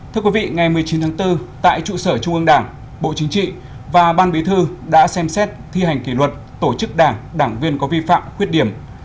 thưa quý vị ngày một mươi chín tháng bốn tại trụ sở trung ương đảng bộ chính trị và ban bí thư đã xem xét thi hành kỷ luật tổ chức đảng đảng viên có vi phạm khuyết điểm